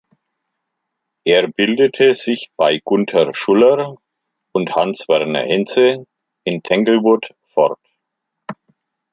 Er bildete sich bei Gunther Schuller und Hans Werner Henze in Tanglewood fort.